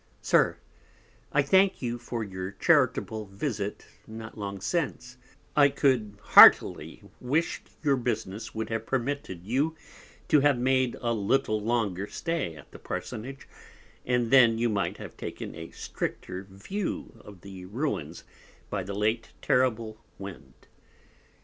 SIR, I thank you for your charitable Visit not long since; I could have heartily wish'd your Business would have permitted you to have made a little longer Stay at the parsonage, and then you might have taken a stricter View of the Ruins by the late terrible Wind.